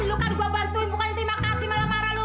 lu kan gua bantuin bukannya terima kasih malah marah lu